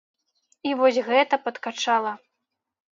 І вось гэта падкачала.